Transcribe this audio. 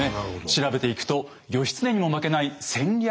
調べていくと義経にも負けない戦略